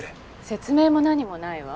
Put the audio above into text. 説明も何もないわ。